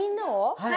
はい。